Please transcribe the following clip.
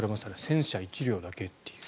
戦車１両だけという。